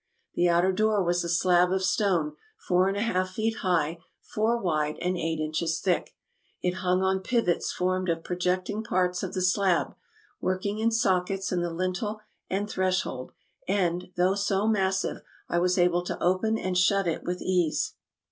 The outer door was a slab of stone, four and a half feet high, four wide, and eight inches thick. It hung on pivots formed of projecting parts of the slab, working in sockets in the lintel and threshold ; and, though so massive, I was able to open and shut it with ease.